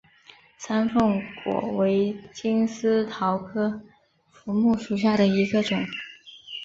山凤果为金丝桃科福木属下的一个种。